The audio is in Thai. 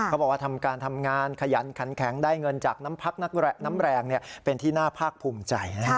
บอกว่าทำการทำงานขยันขันแข็งได้เงินจากน้ำพักน้ำแรงเป็นที่น่าภาคภูมิใจนะครับ